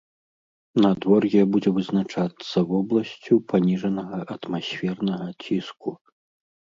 Надвор'е будзе вызначацца вобласцю паніжанага атмасфернага ціску.